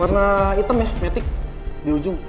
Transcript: karena hitam ya metik di ujung